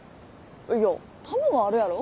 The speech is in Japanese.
いやタマはあるやろ？